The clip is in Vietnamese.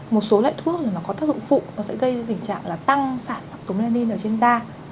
một số loại thuốc là nó có tác dụng phụ nó sẽ gây tình trạng là tăng sản sắc tố melanin ở trên da